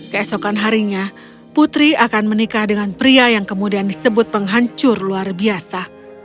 keesokan harinya putri akan menikah dengan pria yang kemudian disebut penghancur luar biasa